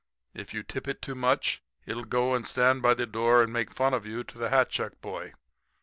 If you tip it too much it'll go and stand by the door and make fun of you to the hat check boy.